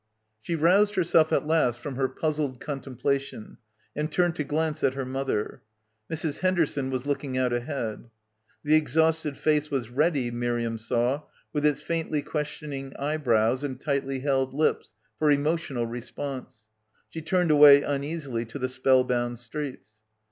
She roused herself at last from her puzzled contemplation and turned to glance at her mother. Mrs. Henderson was looking out ahead. The ex hausted face was ready, Miriam saw, with its faintly questioning eyebrows and tightly held lips, for emotional response. She turned away un easily to the spellbound streets.